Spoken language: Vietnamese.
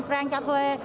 đang cho thuê